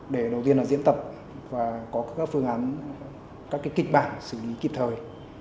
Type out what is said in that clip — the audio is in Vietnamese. để đầu tiên là diễn tập và có các phương án các kịch bản xử lý kịp thời